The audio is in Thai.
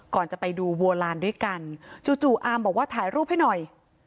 จะไปดูบัวลานด้วยกันจู่อาร์มบอกว่าถ่ายรูปให้หน่อย